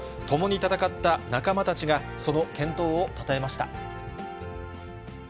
共に戦った仲間たちが、その健闘をたたえました。